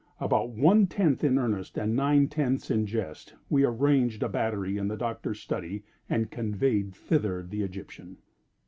About one tenth in earnest and nine tenths in jest, we arranged a battery in the Doctor's study, and conveyed thither the Egyptian.